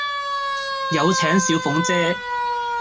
有請小鳳姐